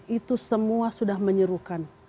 itu semua sudah menyuruhkan